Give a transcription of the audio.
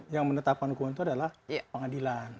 yang menetapkan hukuman itu adalah pengadilan